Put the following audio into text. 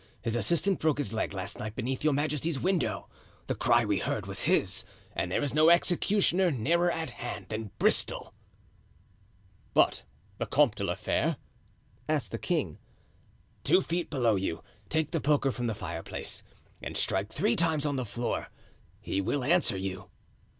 His assistant broke his leg last night beneath your majesty's window—the cry we heard was his—and there is no executioner nearer at hand than Bristol." "But the Comte de la Fere?" asked the king. "Two feet below you; take the poker from the fireplace and strike three times on the floor. He will answer you."